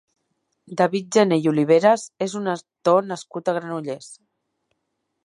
David Janer i Oliveras és un actor nascut a Granollers.